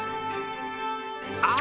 あ